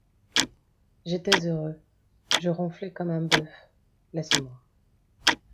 J’étais heureux, Je ronflais comme un bœuf ; laisse-moi.